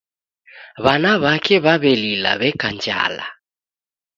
W'ana w'ake w'aw'elila w'eka njala.